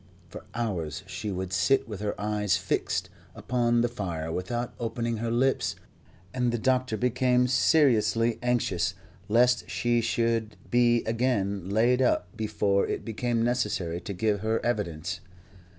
For hours she would sit with her eyes fixed upon the fire without opening her lips, and the doctor became seriously anxious lest she should be again laid up before it became necessary to give her evidence.